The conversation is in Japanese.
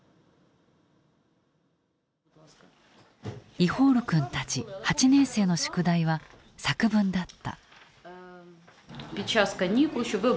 イホール君たち８年生の宿題は作文だった。